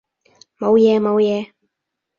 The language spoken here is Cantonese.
冇嘢冇嘢